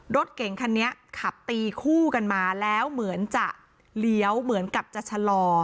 รถเก่งคันนี้ขับตีคู่กันมาแล้วเหมือนจะเลี้ยวเหมือนกับจะชะลอ